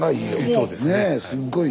そうですね。